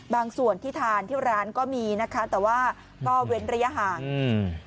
ส่วนที่ทานที่ร้านก็มีนะคะแต่ว่าก็เว้นระยะห่างอืม